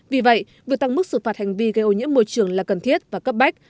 vì vậy việc tăng mức xử phạt hành vi gây ô nhiễm môi trường là cần thiết và cấp bách